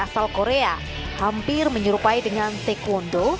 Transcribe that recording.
hapkido yang dikenal sebagai teknik bela diri hampir menyerupai dengan taekwondo